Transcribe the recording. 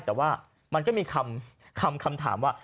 แต่ว่ามันก็มีคำถามว่า